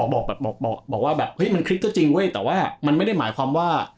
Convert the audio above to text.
บอกว่ามันคลิกก็จริงเว้ยแต่ว่ามันไม่ได้หมายความว่า